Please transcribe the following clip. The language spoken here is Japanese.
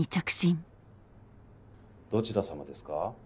どちらさまですか？